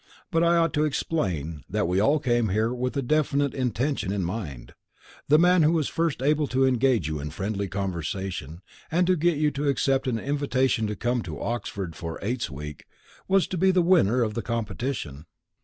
But I ought to explain that we all came here with a definite intention in mind. The man who was first able to engage you in friendly conversation and get you to accept an invitation to come to Oxford for Eights Week, was to be the winner of the competition."